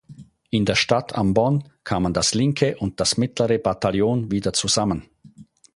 In der Stadt Ambon kamen das linke und das mittlere Bataillon wieder zusammen.